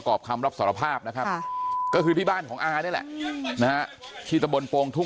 แค้นเหล็กเอาไว้บอกว่ากะจะฟาดลูกชายให้ตายเลยนะ